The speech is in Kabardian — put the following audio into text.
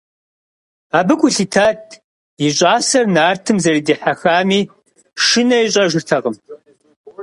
Абы гу лъитат и щӀасэр нартым зэрыдихьэхами, шынэ ищӀэжыртэкъым.